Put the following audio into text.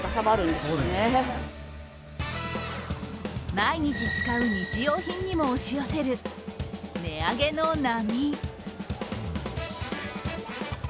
毎日使う日用品にも押し寄せる値上げの波。